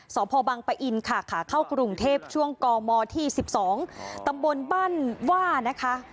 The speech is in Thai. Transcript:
สพปะอินค่ะเข้ากรุงเทพฯช่วงกมที่๑๒ตบบว่านะคะ